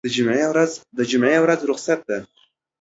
دجمعې ورځ رخصت ده